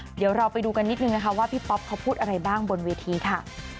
เดี๋ยวเราไปดูกันนิดนึงนะคะว่าพี่ป๊อปเขาพูดอะไรบ้างบนเวทีค่ะ